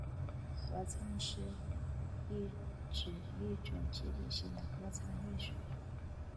合唱指一种集体性的歌唱艺术。